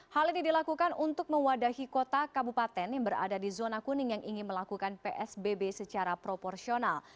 hal ini dilakukan untuk mewadahi kota kabupaten yang berada di zona kuning yang ingin melakukan psbb secara proporsional